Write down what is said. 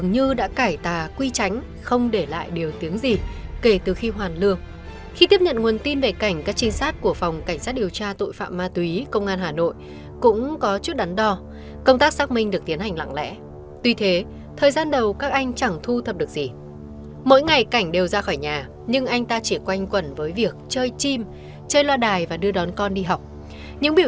hãy đăng ký kênh để ủng hộ kênh của chúng mình nhé